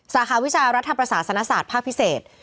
สาขาวิชารัฐประศาสนศาสตร์ภาคพิเศษ